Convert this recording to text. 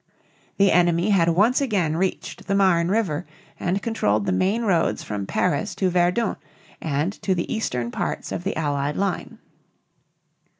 The enemy had once again reached the Marne River and controlled the main roads from Paris to Verdun and to the eastern parts of the Allied line.